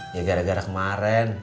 ya gara gara kemarin